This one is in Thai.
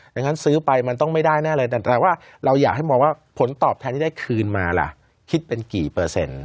ดังนั้นซื้อไปมันต้องไม่ได้แน่เลยแต่แปลว่าเราอยากให้มองว่าผลตอบแทนที่ได้คืนมาล่ะคิดเป็นกี่เปอร์เซ็นต์